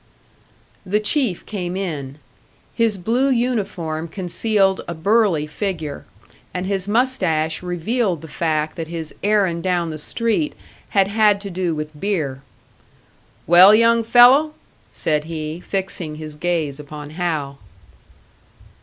The Chief came in. His blue uniform concealed a burly figure, and his moustache revealed the fact that his errand down the street had had to do with beer. "Well, young fellow?" said he, fixing his gaze upon Hal.